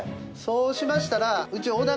そうしましたら。